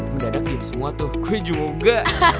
mendadak diam semua tuh gue juga